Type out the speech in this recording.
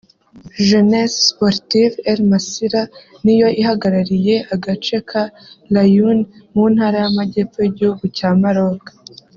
Jeunesse sportive El Massira ni yo ihagarariye agace ka Laayoune mu ntara y’amajyepfo y’igihugu cya Maroc